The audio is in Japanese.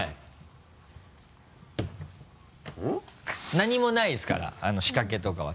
何もないですから仕掛けとかは。